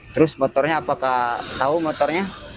terus motornya apakah tahu motornya